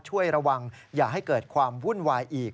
ช่วยระวังอย่าให้เกิดความวุ่นวายอีก